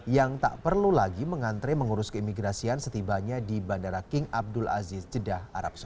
yang tak perlu lagi mengantre mengurus keimigrasian setibanya di bandara king abdul aziz jeddah